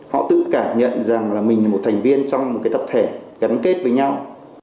họ tự cảm nhận rằng là mình là một thành viên trong một cái tập thể gắn kết với nhau